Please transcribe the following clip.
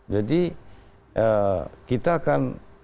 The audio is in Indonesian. jadi kita akan